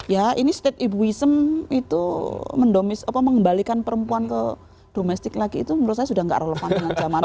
ya ini state ibuism itu mendomis apa mengembalikan perempuan ke domestik lagi itu menurut saya sudah tidak relevan dengan zaman dulu